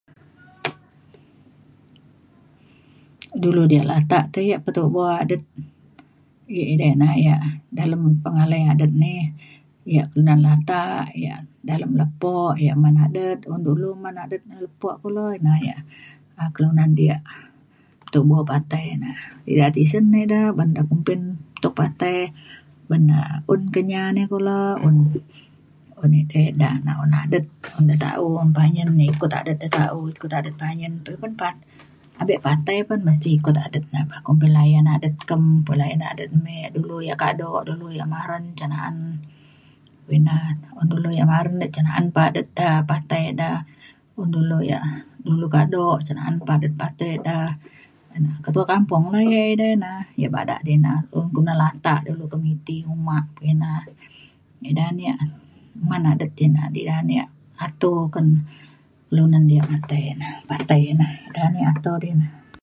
Dulu diak latak te yak petubo adet i- edei na yak dalem pengalai adet me yak kelunan latak yak dalem lepo yak man adet un dulu man adet lepo kulo ina yak kelunan diak tubo patai na ida tisen ne ida uban da kumbin tuk patai ban na un Kenyah ni kulo un un edei da un adet un keta’u panyin un adet keta’u ikut adet panyin. [unintelligible] Abe patai pa mesti ikut adet na pa kumbin layan adet kem layan adet me dulu yak kado dulu yak maren cen na’an. Ina un dulu yak maren cen na’an pa adet da patai ida un dulu yak um dulu kado cen na’an pa adet patai da. Ina ketua kampung la yak edei na yak bada dina kulu kelunan latak komuniti uma pekina. Ida ne yak man ader dina ida ne yak aturkan kelunan yak matai na patai na ida na yak atur na